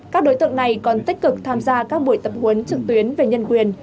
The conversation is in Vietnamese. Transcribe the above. các đối tượng này còn tích cực tham gia các buổi tập huấn trực tuyến về nhân quyền